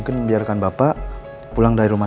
kenapa papa marah